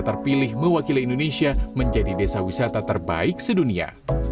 terpilih mewakili indonesia menjadi desa wisata terbaik sedunia